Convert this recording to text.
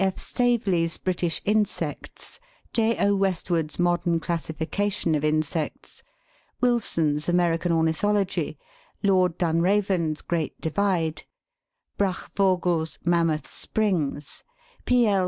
F. Staveley's "British Insects;" J. O. Westwood's % "Modern Classification of Insects;" Wilson's "American Ornithology ;" Lord Dunraven's " Great Divide ;" Brach vogel's "Mammoth Springs;" P. L.